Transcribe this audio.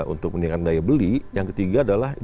untuk meningkatkan daya beli yang ketiga adalah